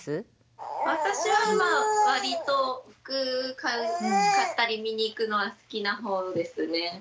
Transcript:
私は割と服買ったり見に行くのは好きな方ですね。